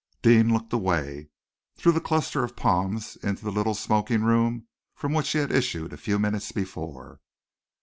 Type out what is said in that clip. Deane looked away through the cluster of palms into the little smoking room from which he had issued a few minutes before.